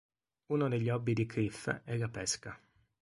Uno degli hobby di Cliff è la pesca.